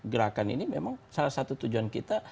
gerakan ini memang salah satu tujuan kita